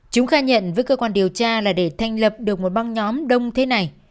chúng khai nhận với cơ quan điều tra là để thành lập được một băng nhóm đông thế này